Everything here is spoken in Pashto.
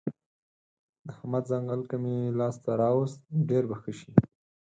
د احمد ځنګل که مې لاس ته راوست؛ ډېر به ښه شي.